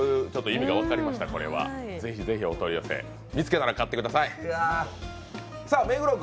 ぜひお取り寄せ見つけたら買ってください。